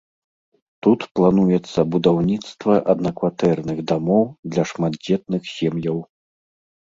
Тут плануецца будаўніцтва аднакватэрных дамоў для шматдзетных сем'яў.